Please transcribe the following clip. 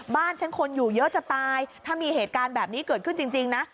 บ้านฉันคนอยู่เยอะจะตายถ้ามีเหตุการณ์แบบนี้เกิดขึ้นจริงนะ